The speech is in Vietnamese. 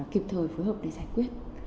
kịp thời phối hợp để giải quyết